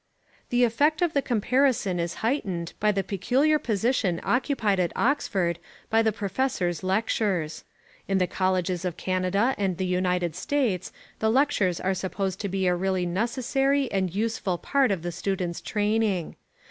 The effect of the comparison is heightened by the peculiar position occupied at Oxford by the professors' lectures. In the colleges of Canada and the United States the lectures are supposed to be a really necessary and useful part of the student's training.